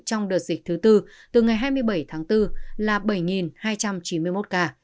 trong đợt dịch thứ tư từ ngày hai mươi bảy tháng bốn là bảy hai trăm chín mươi một ca